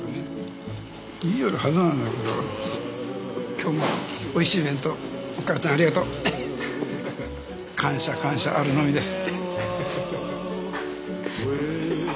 今日もおいしい弁当お母ちゃんありがとう。感謝感謝あるのみです。